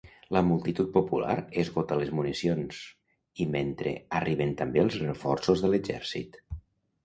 La multitud popular esgota les municions, i mentre, arriben també els reforços de l'exèrcit.